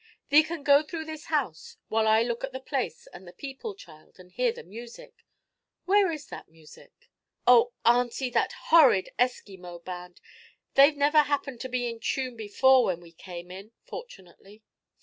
'Thee can go through this house while I look at the place and the people, child, and hear the music. Where is that music?' 'Oh, aunty! That horrid Esquimaux band! They've never happened to be in tune before when we came in, fortunately.'